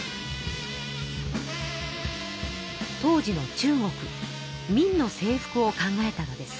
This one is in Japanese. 当時の中国明のせい服を考えたのです。